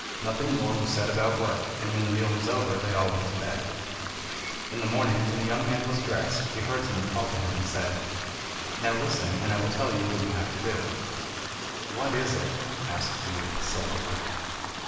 Nothing more was said about work, and when the meal was over they all went to bed. In the morning, when the young man was dressed, the herdsman called to him and said: "Now listen, and I will tell you what you have to do." "What is it?" asked the youth, sulkily.